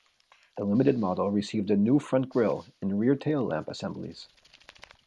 The Limited model received a new front grille and rear tail lamp assemblies.